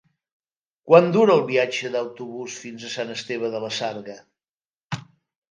Quant dura el viatge en autobús fins a Sant Esteve de la Sarga?